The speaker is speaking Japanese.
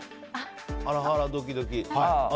ハラハラドキドキ。